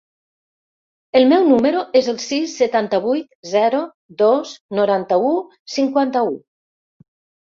El meu número es el sis, setanta-vuit, zero, dos, noranta-u, cinquanta-u.